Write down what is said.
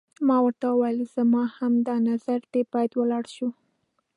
ما ورته وویل: زما هم همدا نظر دی، باید ولاړ شو.